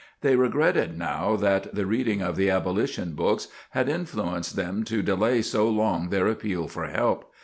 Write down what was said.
They regretted now that the reading of the abolition books had influenced them to delay so long their appeal for help.